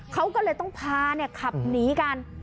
เขาก็เลยต้องพาขับหนีกัน